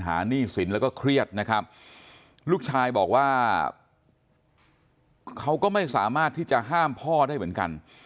หนี้สินแล้วก็เครียดนะครับลูกชายบอกว่าเขาก็ไม่สามารถที่จะห้ามพ่อได้เหมือนกัน